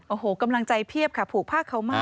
โอ้โหกำลังใจเพียบค่ะผูกผ้าเขามาก